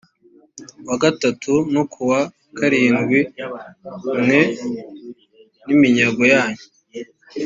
wa gatatu no ku wa karindwi mwe n’iminyago yanyu